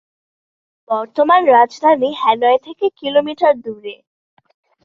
বর্তমান রাজধানী হ্যানয় থেকে কিলোমিটার দূরে।